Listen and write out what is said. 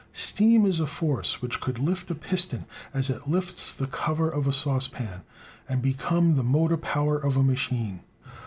"Steam is a force which could lift a piston as it lifts the cover of a saucepan, and become the motor power of a machine."